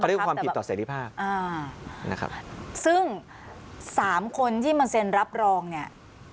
เรื่องความผิดต่อเสร็จภาพอ่านะครับซึ่งสามคนที่มาเซ็นรับรองเนี่ย